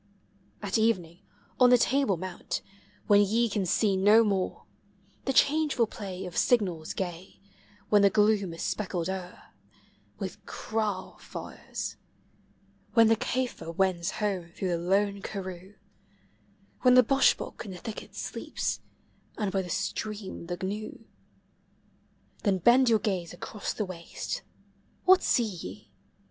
At evening, on the Table Mount, when ye can see no more The changeful play of signals gay; when tte gloom is speckled o'er With kraal (ires; when the Caffre wends QOU16 through the lone karroo; When the boshbok in the thicket Bleep*, ami bv the stream the gnn ; 356 POEMS OF NATURE. Then bend your gaze across the waste, — what see ye?